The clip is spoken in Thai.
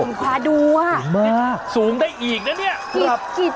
คุณพาดูว่ะสูงมากสูงได้อีกนะเนี่ยหลับ